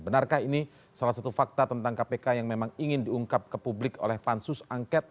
benarkah ini salah satu fakta tentang kpk yang memang ingin diungkap ke publik oleh pansus angket